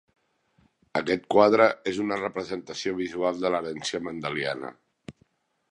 Aquest quadre és una representació visual de l’herència mendeliana.